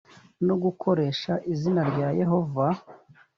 no gukoresha izina rya yehova